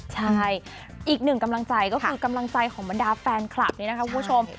ใช่อีกหนึ่งกำลังใจก็คือกำลังใจของบรรดาแฟนคลับนี่นะคะคุณผู้ชม